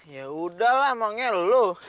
ya udahlah emangnya lu